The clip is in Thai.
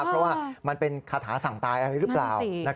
เพราะว่ามันเป็นคาถาสั่งตายอะไรหรือเปล่า